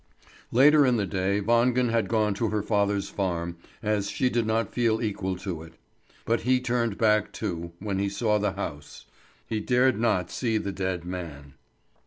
Later in the day Wangen had gone to her father's farm, as she did not feel equal to it; but he turned back, too, when he saw the house. He dared not see the dead man.